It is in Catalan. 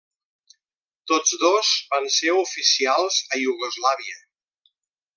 Tots dos van ser oficials a Iugoslàvia.